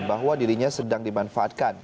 bahwa dirinya sedang dimanfaatkan